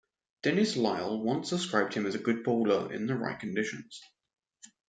Dennis Lillee once described him as a good bowler in the "right conditions".